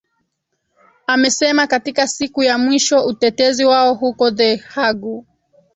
amesema katika siku ya mwisho utetezi wao huko the hague